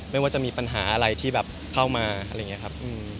ไม่ว่าจะมีปัญหาอะไรที่แบบเข้ามาอะไรอย่างนี้ครับ